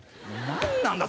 何なんだ